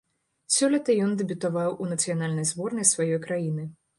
Сёлета ён дэбютаваў у нацыянальнай зборнай сваёй краіны.